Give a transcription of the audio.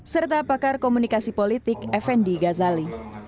serta pakar komunikasi politik effendi ghazali